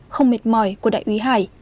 không mệt mỏi của đại quý hải